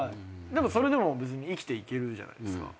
それでも別に生きていけるじゃないですか。